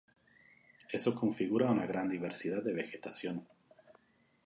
Eso configura una gran diversidad de vegetación.